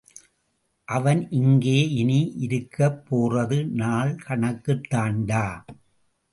அவன் இங்கே இனி இருக்கப் போறது நாள் கணக்குத் தாண்டா!...